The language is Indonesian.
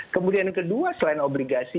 kemudian kedua selain obligasi